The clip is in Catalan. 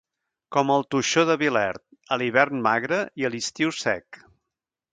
Com el toixó de Vilert, a l'hivern magre i a l'estiu sec.